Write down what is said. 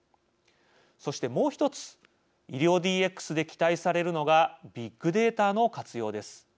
そしてもう１つ医療ＤＸで期待されるのがビッグデータの活用です。